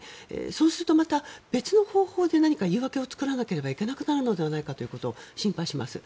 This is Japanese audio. そうするとまた別の方法で何か言い訳を作らなければいけなくなるのではないかと心配します。